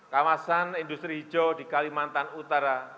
kawasan industri hijau di kalimantan utara